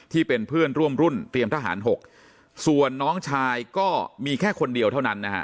ที่เป็นเพื่อนร่วมรุ่นเตรียมทหารหกส่วนน้องชายก็มีแค่คนเดียวเท่านั้นนะฮะ